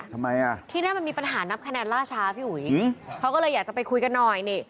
ทำไมอ่ะที่นั่นมันมีปัญหานับคะแนนล่าช้าพี่อุ๋ยเขาก็เลยอยากจะไปคุยกันหน่อยนี่